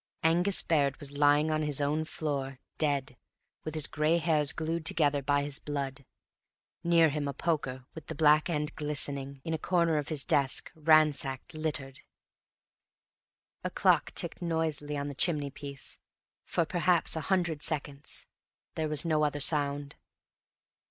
Angus Baird was lying on his own floor, dead, with his gray hairs glued together by his blood; near him a poker with the black end glistening; in a corner his desk, ransacked, littered. A clock ticked noisily on the chimney piece; for perhaps a hundred seconds there was no other sound.